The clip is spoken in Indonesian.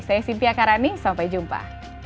saya cynthia karani sampai jumpa